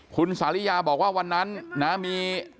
คุณสาริยาบอกว่าวันนั้นนะมี